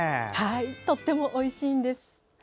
とてもおいしいんです。